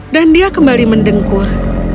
dan dia kembali mendengkur